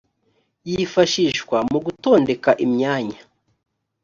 yifashishwa mu gotondeka imyanya